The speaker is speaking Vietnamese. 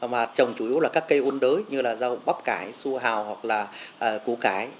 mà trồng chủ yếu là các cây quân đới như là rau bắp cải su hào hoặc là củ cải